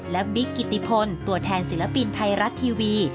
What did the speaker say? และบิ๊กกิติพลตัวแทนศิลปินไทยรัฐทีวี